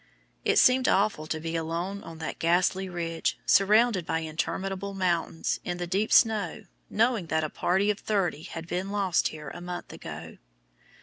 It seemed awful to be alone on that ghastly ridge, surrounded by interminable mountains, in the deep snow, knowing that a party of thirty had been lost here a month ago.